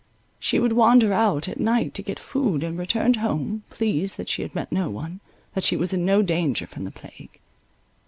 She would wander out at night to get food, and returned home, pleased that she had met no one, that she was in no danger from the plague.